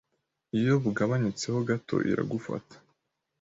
Iyo bugabanyutseho gato iragufata